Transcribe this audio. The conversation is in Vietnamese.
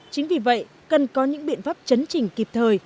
chính vì vậy cần có những biện pháp chấn chỉnh kịp thời